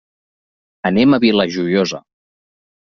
Anem a la Vila Joiosa.